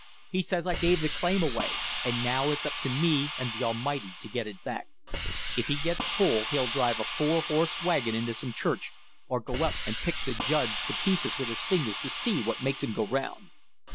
He says I gave the claim away, and now it's up to me and the Almighty to get it back. If he gets full he'll drive a four horse wagon into some church, or go up and pick the Judge to pieces with his fingers to see what makes him go round."